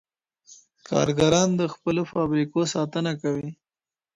کارګران د خپلو فابریکو ساتنه کوي.